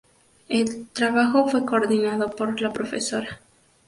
El trabajo fue coordinado por la Prof.